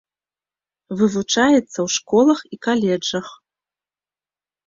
Вывучаецца ў школах і каледжах.